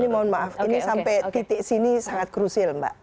ini mohon maaf ini sampai titik sini sangat krusial mbak